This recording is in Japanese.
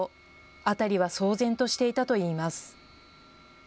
辺りは騒然としていたといいます。